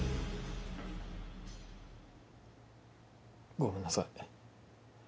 ごめんなさい。